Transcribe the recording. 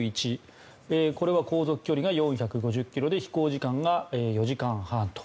これは航続距離が４５０ｋｍで飛行時間が４時間半と。